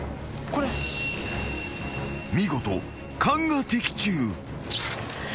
［見事勘が的中］